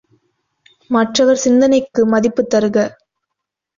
மற்றவர் சிந்தனைக்கு மதிப்புத் தருக!